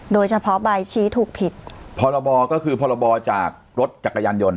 โดยเฉพาะใบชี้ถูกผิดพรบก็คือพรบจากรถจักรยานยนต